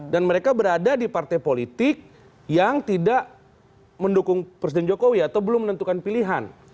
dan mereka berada di partai politik yang tidak mendukung presiden jokowi atau belum menentukan pilihan